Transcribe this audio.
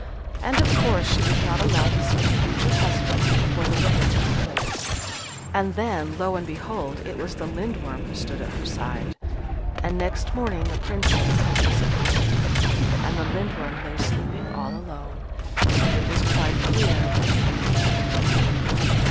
And, of course, she was not allowed to see her future husband before the wedding took place, and then, lo and behold! it was the Lindworm who stood at her side. And next morning the Princess had disappeared: and the Lindworm lay sleeping all alone; and it was quite clear that he had eaten her.